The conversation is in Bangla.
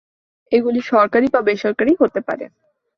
এগুলি সরকারি বা বেসরকারি হতে পারে।